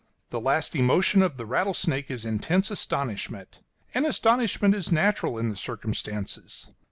The last emotion of the rattlesnake is intense astonishment; and astonishment is natural, in the circumstances.